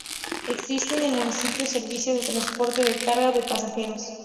Existe en el municipio servicio de transporte de carga o de pasajeros.